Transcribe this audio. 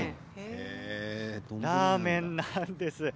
ラーメンなんです。